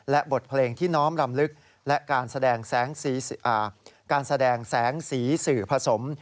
และบทเพลงที่น้อมรำลึกและการแสดงการแสดงแสงสีสื่อผสม